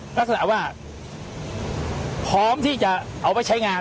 แปลว่างมากล่าพอมให้เรื่องประกยังวิบัติการใช้งาน